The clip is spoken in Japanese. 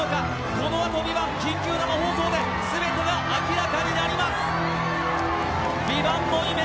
このあと「ＶＩＶＡＮＴ」緊急生放送で全てが明らかになります。